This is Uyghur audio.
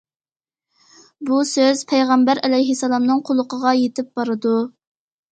بۇ سۆز پەيغەمبەر ئەلەيھىسسالامنىڭ قۇلىقىغا يېتىپ بارىدۇ.